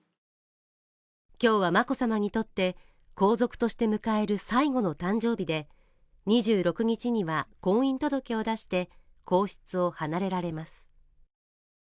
今日は眞子さまにとって皇族として迎える最後の誕生日で２６日には婚姻届を出して皇室を離れられます